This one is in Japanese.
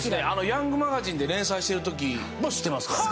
「ヤングマガジン」で連載しているときから知ってましたから。